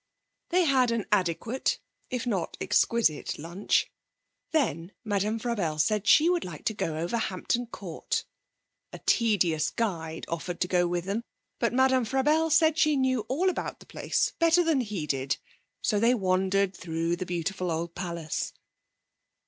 They had an adequate, if not exquisite, lunch, then Madame Frabelle said she would like to go over Hampton Court. A tedious guide offered to go with them, but Madame Frabelle said she knew all about the place better than he did, so they wandered through the beautiful old palace.